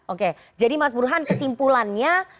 oke jadi mas burhan kesimpulannya